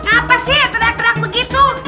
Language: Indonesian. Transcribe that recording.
apa sih terang terang begitu